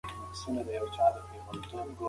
ابن خلدون د دې علم مخکښ و.